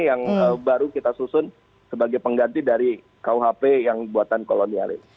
yang baru kita susun sebagai pengganti dari kuhp yang buatan kolonial